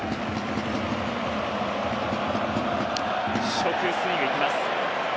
初球はスイングで来ます。